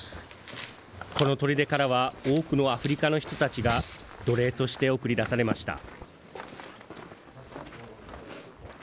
このとりでからは多くのアフリカの人たちが奴隷として送り出されました。